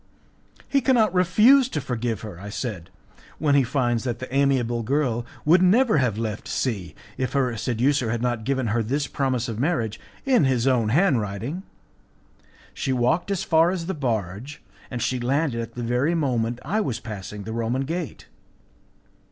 "He cannot refuse to forgive her," I said, "when he finds that the amiable girl would never have left C if her seducer had not given her this promise of marriage in his own handwriting. She walked as far as the barge, and she landed at the very moment I was passing the Roman gate.